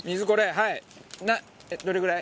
はい。